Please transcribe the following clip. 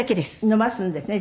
伸ばすんですね